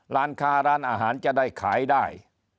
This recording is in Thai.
ร้านค้าร้านอาหารจะได้ขายได้